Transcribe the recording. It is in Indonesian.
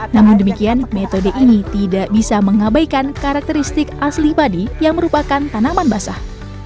namun demikian metode ini tidak bisa mengabaikan karakteristik asli padi yang merupakan tanaman basah